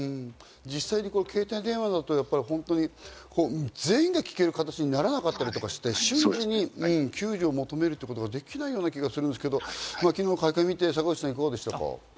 実際、携帯電話など全員が聞ける形にならなかったりして、瞬時に救助を求めることができないような気がするんですけど、昨日の会見みて、坂口さんいかがでしたか？